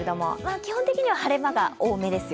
基本的には晴れ間が多めですよ。